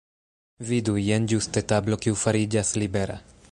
Vidu! Jen ĝuste tablo kiu fariĝas libera.